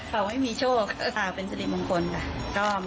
เขาไม่มีโชคอ่าเป็นศรีมงคลค่ะก็เรียกว่ามีงานเข้ามา